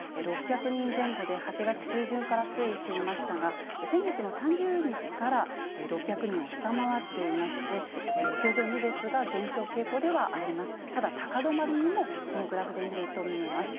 ６００人前後で８月中旬から推移していましたが、先月の３０日から６００人を下回っていまして、徐々にですが、減少傾向ではあります。